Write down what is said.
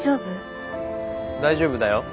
大丈夫だよ。